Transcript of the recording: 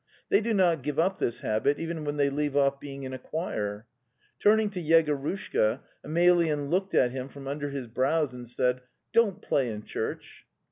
They do not give up this habit, even when they leave off being in a choir. Turning to Yegorushka, Emelyan looked at him from under his brows and said: 'Don't play in church!